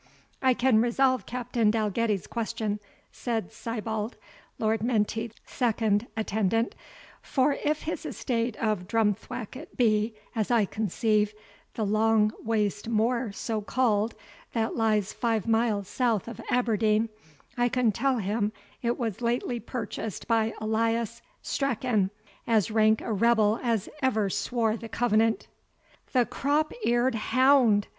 "I can resolve Captain Dalgetty's question," said Sibbald, Lord Menteith's second attendant; "for if his estate of Drumthwacket be, as I conceive, the long waste moor so called, that lies five miles south of Aberdeen, I can tell him it was lately purchased by Elias Strachan, as rank a rebel as ever swore the Covenant." "The crop eared hound!"